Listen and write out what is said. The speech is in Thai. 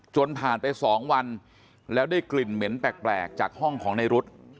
จนผ่านไป๒วันแล้วได้กลิ่นเหม็นแปลกจากห้องของในรุธ